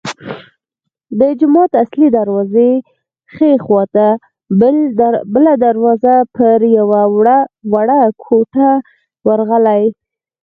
د جومات اصلي دروازې ښي خوا ته بله دروازه پر یوه وړه کوټه ورغلې.